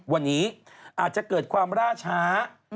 วันนี้อาจจะเกิดความล่าช้า